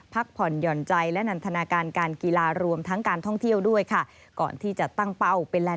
พักผ่อนหย่อนใจและนันทนาการการกีฬารวมทั้งการท่องเที่ยวด้วยค่ะ